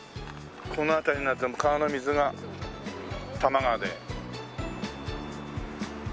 この辺りになると川の水が多摩川で。